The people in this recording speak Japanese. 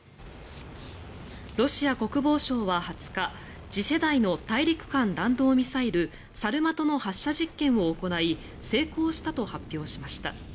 ロシア国防省は２０日次世代の大陸間弾道ミサイルサルマトの発射実験を行い成功したと発表しました。